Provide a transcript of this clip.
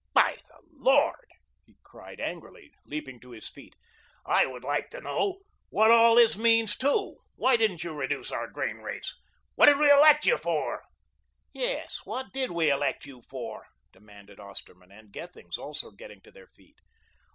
By the Lord," he cried angrily, leaping to his feet, "I would like to know what all this means, too. Why didn't you reduce our grain rates? What did we elect you for?" "Yes, what did we elect you for?" demanded Osterman and Gethings, also getting to their feet.